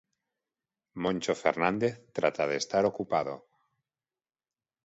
Moncho Fernández trata de estar ocupado.